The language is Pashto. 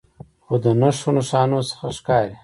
خو د نښو نښانو څخه ښکارې